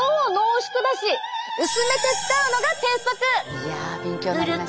いや勉強になりました。